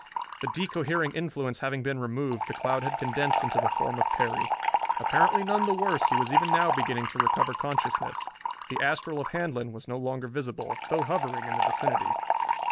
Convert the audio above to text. The de cohering influence having been removed, the cloud had condensed into the form of Perry. Apparently none the worse, he was even now beginning to recover consciousness. The astral of Handlon was no longer visible, though hovering in the vicinity.